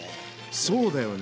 そうだよね。